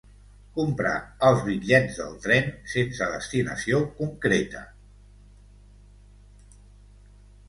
Comprar els bitllets del tren, sense destinació concreta.